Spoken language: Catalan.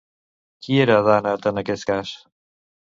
Qui era Dànat en aquest cas?